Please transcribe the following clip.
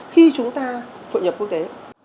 khi chúng ta thuận nhập quốc tế